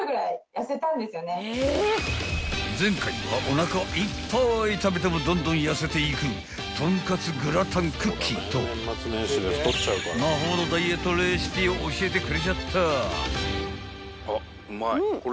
［前回はおなかいっぱい食べてもどんどん痩せていくトンカツグラタンクッキーと魔法のダイエットレシピを教えてくれちゃった］